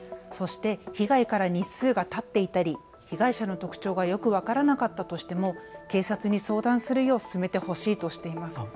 そして被害から日数がたっていたり被害者の特徴がよく分からなかったとしても警察に相談するよう勧めてほしいとしています。